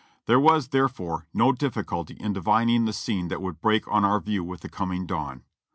There was, therefore, no difficulty in divining the scene that would break on our view with the coming dawn.